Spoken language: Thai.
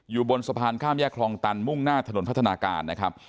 อยู่บนสะพานข้ามแยกคลองตันมุ่งหน้าถนนพัฒนาการนะครับ